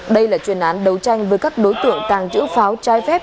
đây là chuyên án đấu tranh với các đối tượng tàng trữ pháo trái phép